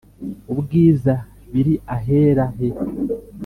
ubwiza biri ahera he